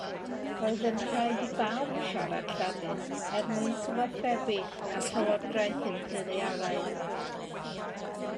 Roedd yn rhaid i bawb siarad Lladin er mwyn cyfathrebu â'r llywodraeth imperialaidd.